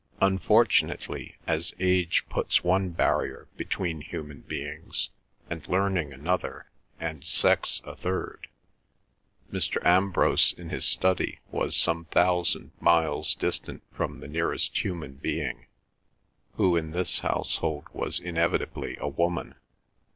Unfortunately, as age puts one barrier between human beings, and learning another, and sex a third, Mr. Ambrose in his study was some thousand miles distant from the nearest human being, who in this household was inevitably a woman.